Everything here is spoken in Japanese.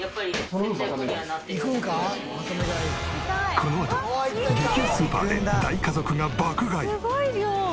このあと激安スーパーで大家族が爆買い。